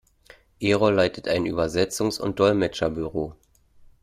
Erol leitet einen Übersetzungs- und Dolmetscherbüro.